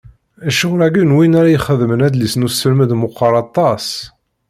Ccɣel-agi n win ara ixedmen adlis n uselmed meqqer aṭas.